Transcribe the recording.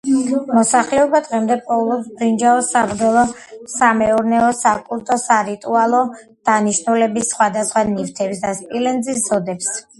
მოსახლეობა დღემდე პოულობს ბრინჯაოს საბრძოლო, სამეურნეო, საკულტო-სარიტუალო დანიშნულების სხვადასხვა ნივთებს და სპილენძის ზოდებს.